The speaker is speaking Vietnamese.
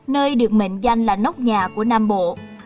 nơi được mệnh danh là nóc nhà của nam bộ